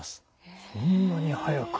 そんなに早く。